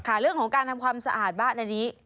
เรื่องของการทำความสะอาดบ้านอันนี้